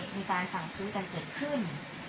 มีการสั่งซื้อกันเกิดขึ้น